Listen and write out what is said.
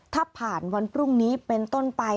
ถ้าผ่านวันพรุ่งนี้เป็นต้นไป